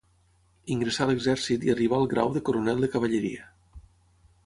Ingressà a l'exèrcit i arribà al grau de coronel de cavalleria.